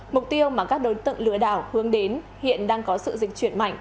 mục tiêu mà các đối tượng lừa đảo hướng đến hiện đang có sự dịch chuyển mạnh